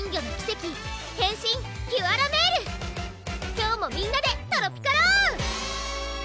今日もみんなでトロピカろう！